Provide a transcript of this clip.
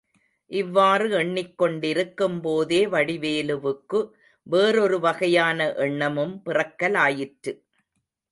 இவ்வாறு எண்ணிக்கொண்டிருக்கும்போதே வடிவேலுவுக்கு வேறொரு வகையான எண்ணமும் பிறக்கலாயிற்று.